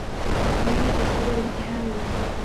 • مینه د صبر امتحان دی.